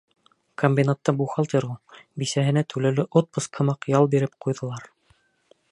Комбинатта бухгалтер ул. Бисәһенә түләүле отпуск һымаҡ ял биреп ҡуйҙылар.